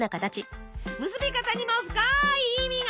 結び方にも深い意味が！